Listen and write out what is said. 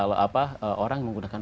orang yang menggunakan